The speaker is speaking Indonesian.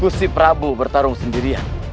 guci prabu bertarung sendirian